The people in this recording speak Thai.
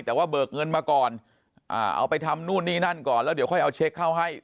แต่ว่าเบิกเงินมาก่อนเอาไปทำนู่นนี่นั่นก่อนแล้วเดี๋ยวค่อยเอาเช็คเข้าให้